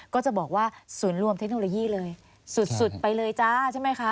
ก็จะบอกว่าศูนย์รวมเทคโนโลยีเลยสุดไปเลยจ้าใช่ไหมคะ